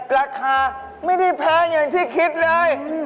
ราคาไม่ได้แพงอย่างที่คิดเลย